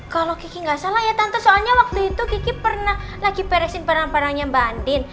kalau kiki gak salah ya tante soalnya waktu itu kiki pernah lagi peresin perang perangnya mbak andin